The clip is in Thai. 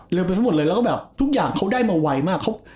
ไปทั้งหมดเลยแล้วก็แบบทุกอย่างเขาได้มาไวมาก